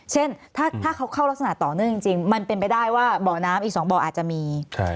เช่นถ้าเขาเข้ารักษณะต่อเนื่องจริงมันเป็นไปได้ว่าบ่อน้ำอีก๒บ่ออาจจะมี